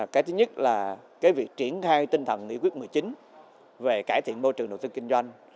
cái thứ nhất là cái việc triển khai tinh thần nghị quyết một mươi chín về cải thiện môi trường đầu tư kinh doanh